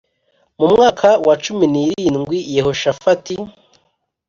Mu mwaka wa cumi n irindwi Yehoshafati